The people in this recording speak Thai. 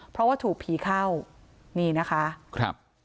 เพราะว่าถูกผีเข้านี่นะคะครับ